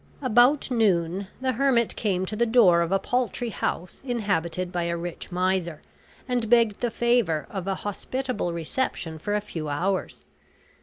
About noon, the hermit came to the door of a paltry house inhabited by a rich miser, and begged the favor of an hospitable reception for a few hours.